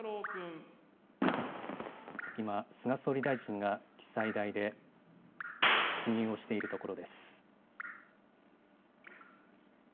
今、菅総理大臣が記載台で、記入をしているところです。